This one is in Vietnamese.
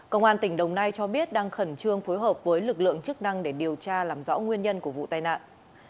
công an tỉnh đồng nai cho biết đang khẩn trương phối hợp với lực lượng chức năng để điều tra làm rõ nguyên nhân của vụ tai nạn